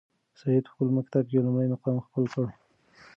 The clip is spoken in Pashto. سعید په خپل مکتب کې لومړی مقام خپل کړ.